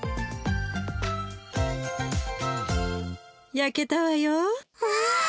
焼けたわよ。わ！